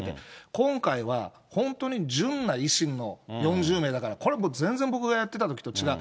今回は、本当に純な維新の４０名だから、これ、もう全然僕がやってたときと違う。